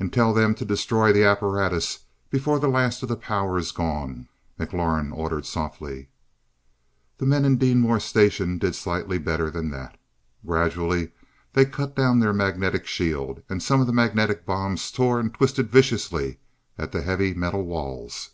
"And tell them to destroy the apparatus before the last of the power is gone," McLaurin ordered softly. The men in Deenmor station did slightly better than that. Gradually they cut down their magnetic shield, and some of the magnetic bombs tore and twisted viciously at the heavy metal walls.